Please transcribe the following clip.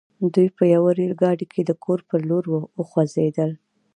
دوی په يوه ريل ګاډي کې د کور پر لور وخوځېدل.